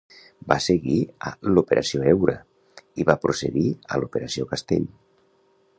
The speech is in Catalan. Va seguir a l'"Operació heura" i va precedir a l'"Operació castell".